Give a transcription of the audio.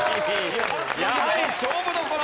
やはり勝負どころ。